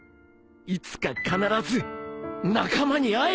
いつか必ず仲間に会えるでよ